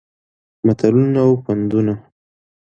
متلونه او پندونه